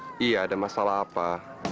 gak ada masalah apa